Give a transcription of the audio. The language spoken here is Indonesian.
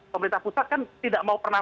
pemerintah pusat kan tidak mau pernah